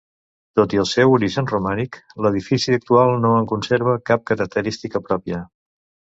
Tot i el seu origen romànic, l'edifici actual no en conserva cap característica pròpia.